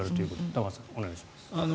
玉川さん、お願いします。